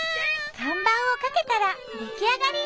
看板をかけたら出来上がり。